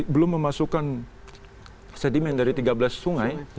belum memasukkan sedimen dari tiga belas sungai